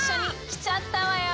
きちゃったよ！